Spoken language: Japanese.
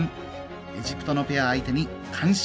エジプトのペアを相手に完勝。